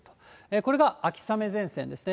これが秋雨前線ですね。